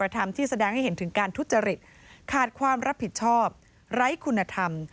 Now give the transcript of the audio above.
ธรรมที่แสดงให้เห็นถึงการทุจริตขาดความรับผิดชอบไร้คุณธรรม